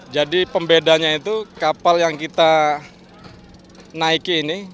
jadi pembedanya itu kapal yang kita naiki ini